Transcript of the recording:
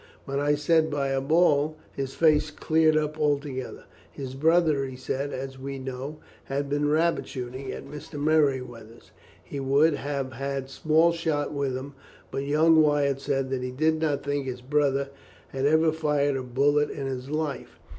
When I said by a ball his face cleared up altogether. His brother, he said, and as we know, had been rabbit shooting at Mr. Merryweather's. He would have had small shot with him, but young Wyatt said that he did not think his brother had ever fired a bullet in his life.